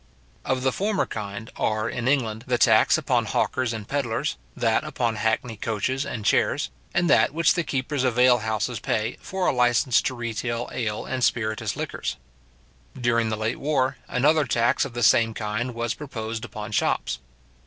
Of the former kind, are in England, the tax upon hawkers and pedlars, that upon hackney coaches and chairs, and that which the keepers of ale houses pay for a licence to retail ale and spiritous liquors. During the late war, another tax of the same kind was proposed upon shops.